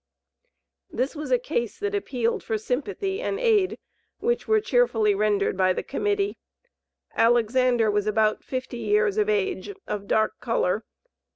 This was a case that appealed for sympathy and aid, which were cheerfully rendered by the Committee. Alexander was about fifty years of age, of dark color.